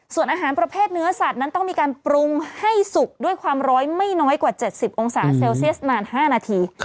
ส่วนอาหารประเภทเนื้อสัตว์นั้นต้องมีการปรุงให้สุกด้วยความร้อยไม่น้อยกว่า๗๐องศาเซลเซียสนาน๕นาที